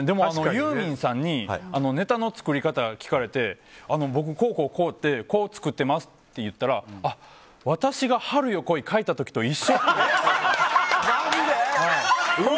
ユーミンさんにネタの作り方を聞かれて僕、こうこうこうでこう作ってますって言ったらあ、私が「春よ、来い」書いた時と一緒って。